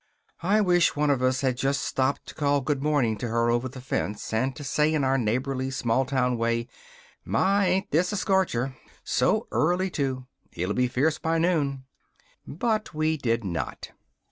I wish one of us had just stopped to call good morning to her over the fence, and to say in our neighborly, small town way: "My, ain't this a scorcher! So early too! It'll be fierce by noon!" But we did not.